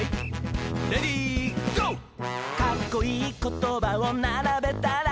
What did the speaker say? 「かっこいいことばをならべたら」